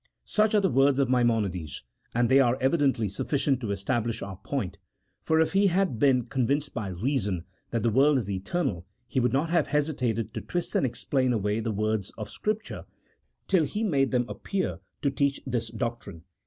Such are the words of Maimonides, and they are evidently sufficient to establish our point : for if he had been con vinced by reason that the world is eternal, he would not have hesitated to twist and explain away the words of Scripture till he made them appear to teach this doc trine.